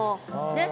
ねっ。